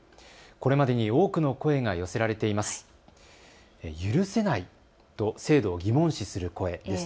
これまでに多くの声が寄せられています。